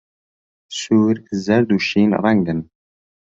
سوور، زەرد، و شین ڕەنگن.